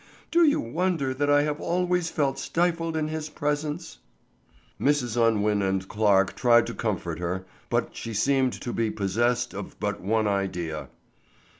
Do you wonder that I have always felt stifled in his presence?" Mrs. Unwin and Clarke tried to comfort her, but she seemed to be possessed of but one idea.